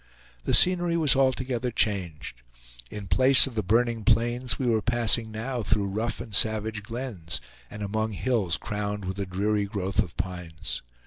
The scenery was altogether changed. In place of the burning plains we were passing now through rough and savage glens and among hills crowned with a dreary growth of pines.